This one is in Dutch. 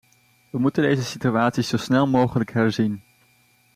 We moeten deze situatie zo snel mogelijk herzien.